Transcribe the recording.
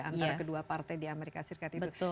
antara kedua partai di amerika serikat itu